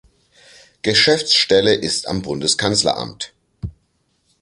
Geschäftsstelle ist am Bundeskanzleramt.